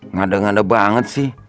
ngada ngada banget sih